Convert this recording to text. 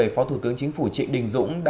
phó thủ tướng chính phủ trị đình dũng